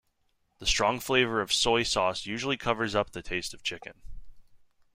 The strong flavour of soy sauce usually covers up the taste of chicken.